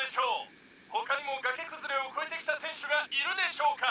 「他にも崖崩れを越えてきた選手がいるでしょうか？」